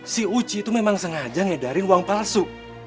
si uci itu memang sengaja ngedarin uang palsu